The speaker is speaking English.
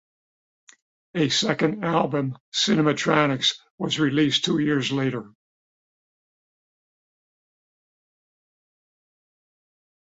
A second album, "Cinematronics", was released two years later.